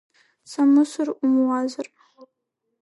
Самысыр умуазар…